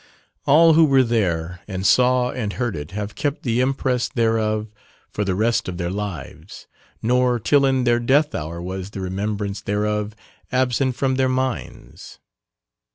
All who were there and saw and heard it have kept the impress thereof for the rest of their lives nor till in their death hour was the remembrance thereof absent from their minds.